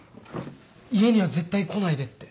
家には絶対来ないでって。